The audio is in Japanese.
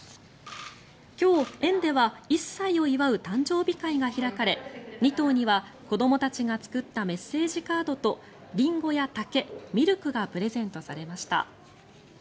今日、園では１歳を祝う誕生日会が開かれ２頭には子どもたちが作ったメッセージカードとリンゴや竹、ミルクがプレゼントされました。